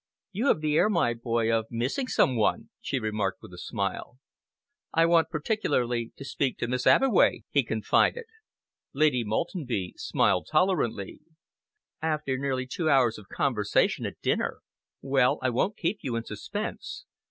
"You have the air, my dear boy, of missing some one," she remarked with a smile. "I want particularly to speak to Miss Abbeway," he confided. Lady Maltenby smiled tolerantly. "After nearly two hours of conversation at dinner! Well, I won't keep you in suspense.